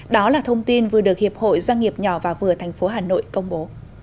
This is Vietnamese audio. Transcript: đó là thông tin vừa được hiệp hội doanh nghiệp nhỏ và vừa thành phố hà nội công bố